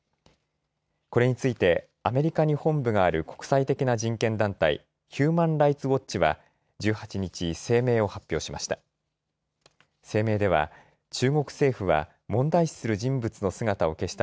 これについてアメリカに本部がある国際的な人権団体、ヒューマン・ライツ・ウォッチは１８日、声明を発表しました。